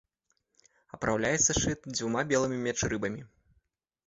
Апраўляецца шчыт двума белымі меч-рыбамі.